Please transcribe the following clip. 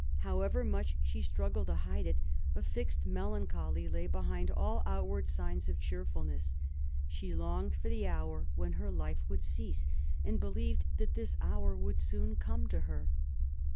However much she struggled to hide it, a fixed melancholy lay behind all outward signs of cheerfulness. She longed for the hour when her life would cease, and believed that this hour would soon come to her.